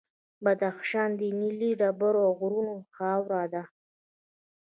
بدخشان د نیلي ډبرو او غرونو خاوره ده.